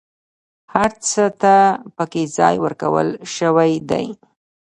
هر څه ته پکې ځای ورکول شوی دی.